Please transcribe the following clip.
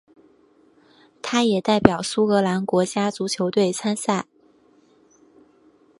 他也代表苏格兰国家足球队参赛。